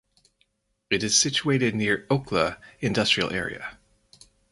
It is situated Near Okhla Industrial Area.